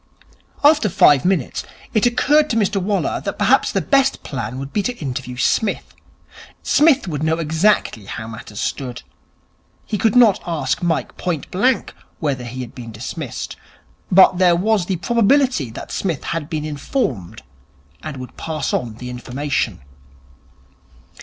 After five minutes, it occurred to Mr Waller that perhaps the best plan would be to interview Psmith. Psmith would know exactly how matters stood. He could not ask Mike point blank whether he had been dismissed. But there was the probability that Psmith had been informed and would pass on the information.